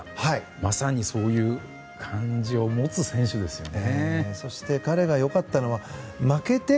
まさにそういう感じを持つ選手ですね。